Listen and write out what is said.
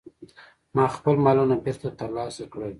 ما خپل مالونه بیرته ترلاسه کړل.